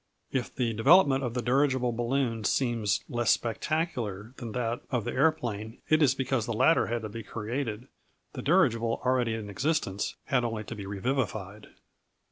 If the development of the dirigible balloon seems less spectacular than that of the aeroplane, it is because the latter had to be created; the dirigible, already in existence, had only to be revivified.